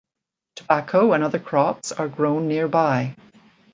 Tobacco and other crops are grown nearby.